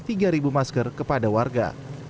satu masker kepada warga